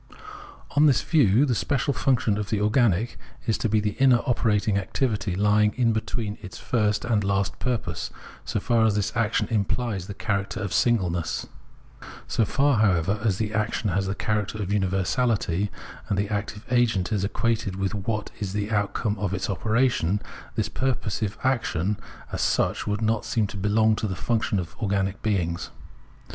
On this view the special function of the organic is to be the inner operating activity lying in between its first and last purpose, so far as this action imphes the character of singleness. So far, however, as the action has the character of universality, and the active agent is equated with what is the outcome of its operation, this purposive action as such would not seem to belong to the function of organic beings.